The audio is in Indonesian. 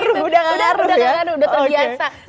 udah gak ngaruh udah terbiasa